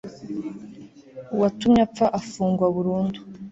uwatumye apfa afungwa burundu